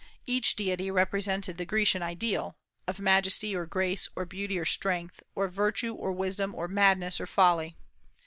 Each deity represented the Grecian ideal, of majesty or grace or beauty or strength or virtue or wisdom or madness or folly.